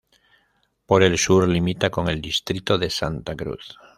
Por el sur limita con el distrito de Santa Cruz.